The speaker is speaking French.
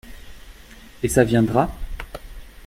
Et ça viendra ?